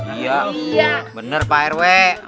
iya bener pak rw